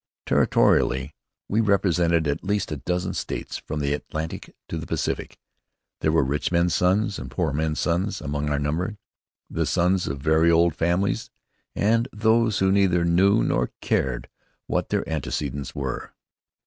Territorially we represented at least a dozen states, from the Atlantic to the Pacific. There were rich men's sons and poor men's sons among our number; the sons of very old families, and those who neither knew nor cared what their antecedents were.